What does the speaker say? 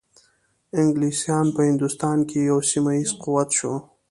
انګلیسان په هندوستان کې یو سیمه ایز قوت شو.